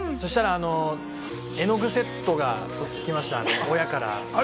そうしたら絵の具セットが届きました、親から。